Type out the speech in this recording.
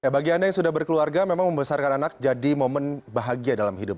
bagi anda yang sudah berkeluarga memang membesarkan anak jadi momen bahagia dalam hidup